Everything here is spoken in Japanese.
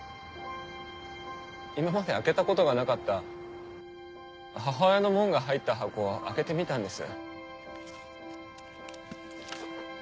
今まで開けたことがなかった母親のもんが入った箱を開けてみたんです。